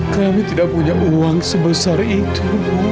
kami tidak punya uang sebesar itu